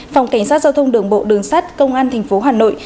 phòng cảnh sát giao thông đường bộ đường sắt công an tp hà nội